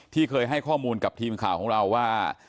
ที่เคยให้ข้อมูลกับทีมข่าวของเราว่า